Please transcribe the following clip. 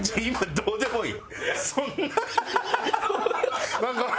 どうでもいい！